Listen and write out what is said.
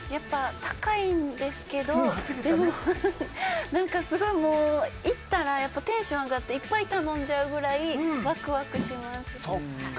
高いんですけど行ったらテンション上がっていっぱい頼んじゃうくらいわくわくします。